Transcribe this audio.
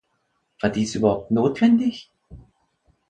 War dies überhaupt notwendig?